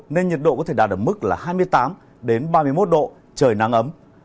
nên nhiệt độ có thể đạt ở mức là hai mươi tám ba mươi một độ trời nắng ấm